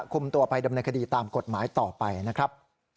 คุมตัวไปดำเนินคดีตามกฎหมายต่อไปนะครับ